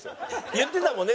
言ってたもんね。